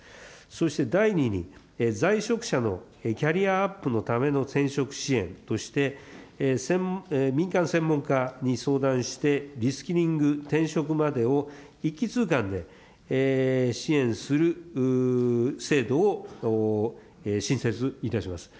そして第二に、在職者のキャリアアップのための転職支援として、民間専門家に相談して、リスキリング、転職までを、一気通貫で支援する制度を新設いたします。